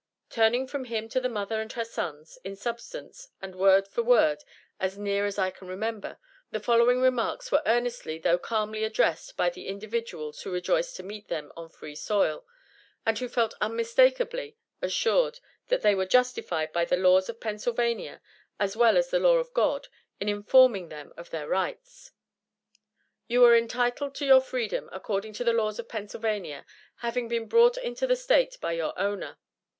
Turning from him to the mother and her sons, in substance, and word for word, as near as I can remember, the following remarks were earnestly though calmly addressed by the individuals who rejoiced to meet them on free soil, and who felt unmistakably assured that they were justified by the laws of Pennsylvania as well as the Law of God, in informing them of their rights: "You are entitled to your freedom according to the laws of Pennsylvania, having been brought into the State by your owner.